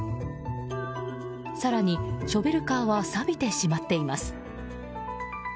更に、ショベルカーはさびてしまっています。